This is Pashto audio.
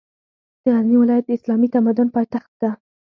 د غزني ولایت د اسلامي تمدن پاېتخت ده